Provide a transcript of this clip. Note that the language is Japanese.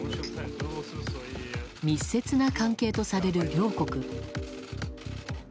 密接な関係とされる両国。